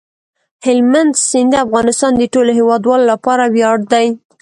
هلمند سیند د افغانستان د ټولو هیوادوالو لپاره ویاړ دی.